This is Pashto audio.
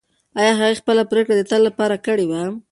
ایا هغې خپله پرېکړه د تل لپاره کړې وه؟